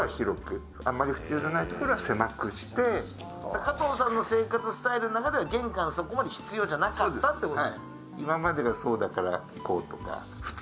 加藤さんの生活スタイルの中では、玄関がそんなに必要なかったと。